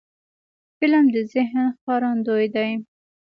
فلم د ذهن ښکارندوی دی